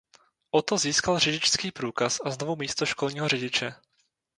Otto získal řidičský průkaz a znovu místo školního řidiče.